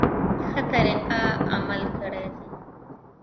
ښه طریقه عمل کړی دی.